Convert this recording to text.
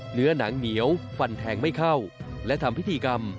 เหนือหนังเหนียวฟันแทงไม่เข้าและทำพิธีกรรม